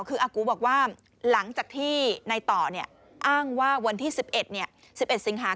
คืออากูบอกว่าหลังจากที่ในต่ออ้างว่าวันที่๑๑๑สิงหา